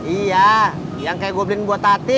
iya yang kayak gue beliin buat hati